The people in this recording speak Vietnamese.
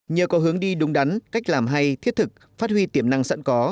nhờ có hướng đi đúng đắn cách làm hay thiết thực phát huy tiềm năng sẵn có